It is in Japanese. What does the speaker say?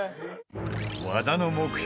和田の目標